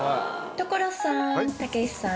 所さんたけしさん。